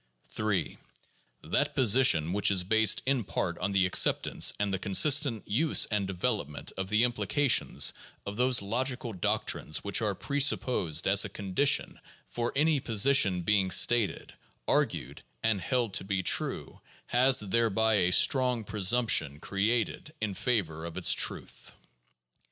3. That position which is based in part on the acceptance and the consistent use and development of the implications of those log ical doctrines which are presupposed as a condition for any position being stated, argued, and held to be true has, thereby, a strong pre sumption created in favor of its truth.